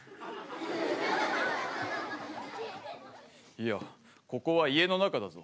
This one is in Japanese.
いやここは家の中だぞ。